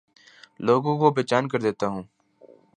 لوگوں کو بے چین کر دیتا ہوں